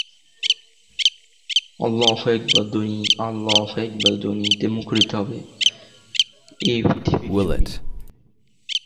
ব্যাংকটির প্রধান কার্যালয় পাঞ্জাবের মুলতানে হলেও প্রধান অফিস করাচিতে অবস্থিত।